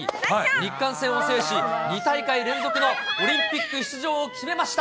日韓戦を制し、２大会連続のオリンピック出場を決めました。